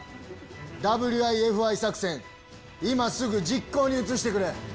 ＷＩＦＩ作戦、今すぐ実行に移してくれ。